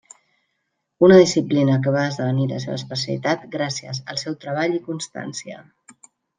Una disciplina que va esdevenir la seva especialitat gràcies al seu treball i constància.